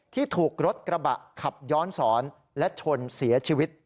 ที่ถูกรถกระบะขับย้อนสอนและชนเสียชีวิต